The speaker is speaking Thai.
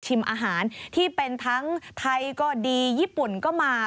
อาหารที่เป็นทั้งไทยก็ดีญี่ปุ่นก็มา